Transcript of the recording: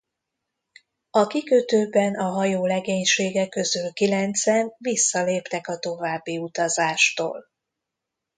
A kikötőben a hajó legénysége közül kilencen visszaléptek a további utazástól.